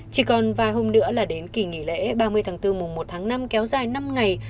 chỉ còn vài hôm nữa là đến kỳ nghỉ lễ ba mươi tháng bốn mùa một tháng năm kéo dài năm ngày